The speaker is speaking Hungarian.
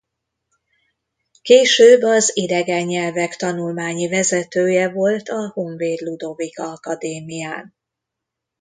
Később az idegen nyelvek tanulmányi vezetője volt a Honvéd Ludovika Akadémián.